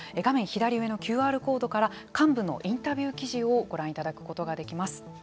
左上のＱＲコードから幹部のインタビュー記事をご覧いただくことができます。